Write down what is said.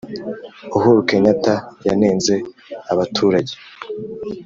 Uhuru kenyata yanenze abaturage